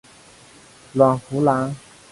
阮福澜。